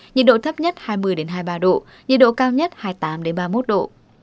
nhiệt độ thấp nhất hai mươi hai mươi ba độ nhiệt độ cao nhất hai mươi tám ba mươi một độ